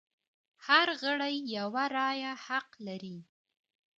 هر غړی یوه رایه حق لري.